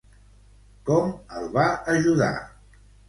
Com el va ajudar?